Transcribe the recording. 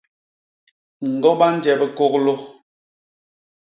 Ñgo ba nje bikôglô!